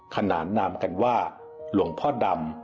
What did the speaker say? ขนานนามกันว่าหลวงพ่อดำ